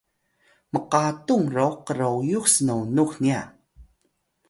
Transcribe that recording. mqatung ro qroyux snonux nya